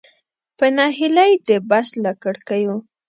په نهیلۍ د بس له کړکیو.